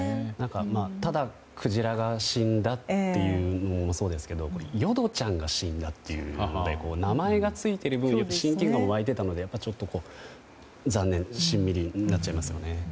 ただ、クジラが死んだというのもそうですが淀ちゃんが死んだっていうことで名前がついている分親近感も沸いていたのでちょっと残念しんみりになっちゃいますよね。